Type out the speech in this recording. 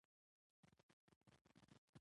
د ښځو پرمخ د زده کړو دروازې خلاصې کړی